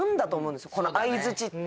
この相づちって。